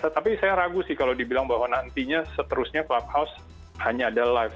tapi saya ragu sih kalau dibilang bahwa nantinya seterusnya clubhouse hanya ada live